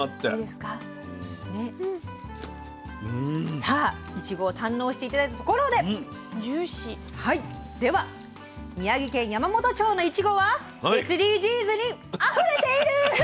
さあいちごを堪能して頂いたところではいでは宮城県山元町のいちごはＳＤＧｓにあふれている！